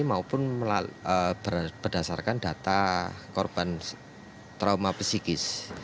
maupun berdasarkan data korban trauma psikis